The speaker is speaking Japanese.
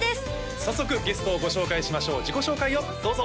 早速ゲストをご紹介しましょう自己紹介をどうぞ！